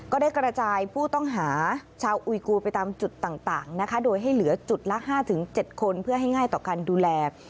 ก็ได้กระจายผู้ต้องหาชาวอุยกูไปตามจุดต่างนะคะโดยให้เหลือจุดละ๕๗คนเพื่อให้ง่ายต่อการดูแล